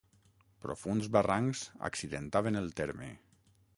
Profunds barrancs accidentaven el terme.